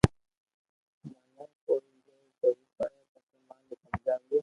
مني ڪوئي زبر ڪوئي پري پسي مالڪ ھمجاوئي